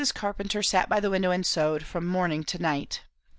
Carpenter sat by the window and sewed, from morning to night.